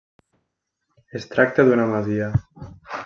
Es tracta d'una masia.